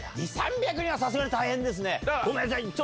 ２００３００人はさすがに大変ですね。